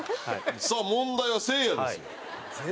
さあ問題はせいやですよ。